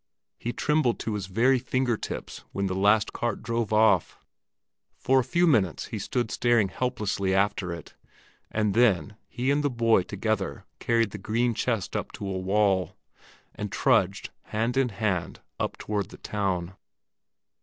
He trembled to his very finger tips when the last cart drove off. For a few minutes he stood staring helplessly after it, and then he and the boy together carried the green chest up to a wall, and trudged hand in hand up toward the town.